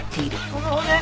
この骨。